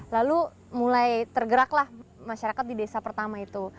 lalu mulai tergeraklah masyarakat di desa pertama itu